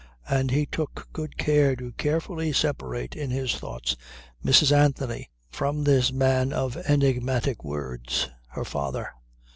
And he took good care to carefully separate in his thoughts Mrs. Anthony from this man of enigmatic words her father.